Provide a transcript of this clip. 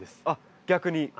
あっ逆に？